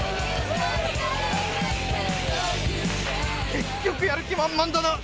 結局やる気満々だな。